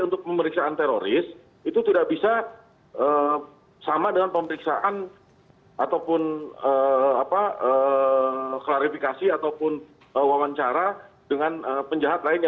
untuk pemeriksaan teroris itu tidak bisa sama dengan pemeriksaan ataupun klarifikasi ataupun wawancara dengan penjahat lainnya